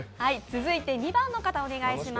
続いて２番の方、お願いします。